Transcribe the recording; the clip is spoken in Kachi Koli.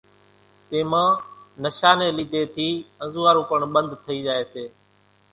تيمان نشا ني لِيڌي ٿي انزوئارون پڻ ٻنڌ ٿئي زائي سي